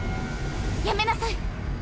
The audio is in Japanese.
やめなさい。